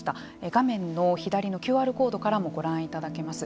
画面の左のＱＲコードからもご覧いただけます。